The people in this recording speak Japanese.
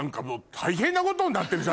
大変なことになってます。